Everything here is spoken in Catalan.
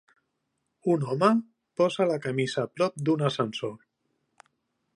Un home posa la camisa a prop d'un ascensor.